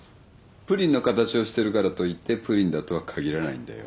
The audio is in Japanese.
プリンの形をしてるからといってプリンだとは限らないんだよ。